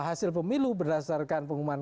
hasil pemilu berdasarkan pengumuman